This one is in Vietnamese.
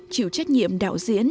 chịu trách nhiệm đạo diễn